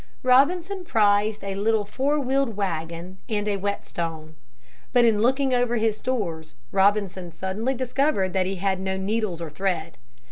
Robinson prized a little four wheeled wagon and a whetstone. But in looking over his stores, Robinson suddenly discovered that he had no needles or thread.